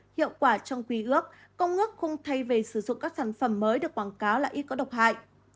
hiệu quả trong quy ước công ước khung thay về sử dụng các sản phẩm mới được quảng cáo là ít có độc hại